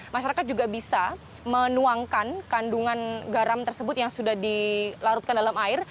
masyarakat juga bisa menuangkan kandungan garam tersebut yang sudah dilarutkan dalam air